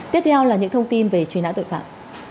tiếp theo là những thông tin về truy nã tội phạm